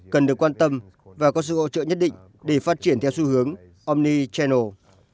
cần được quan tâm và có sự hỗ trợ nhất định để phát triển theo xu hướng omnichannel